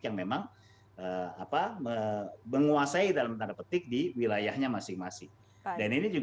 yang memang menguasai dalam tanda petik di wilayahnya masing masing